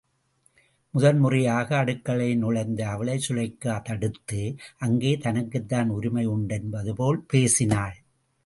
முதன் முறையாக அடுக்களையில் நுழைந்த அவளை சுலெய்க்கா தடுத்து, அங்கே தனக்குத்தான் உரிமை உண்டென்பது போல் பேசினாள்.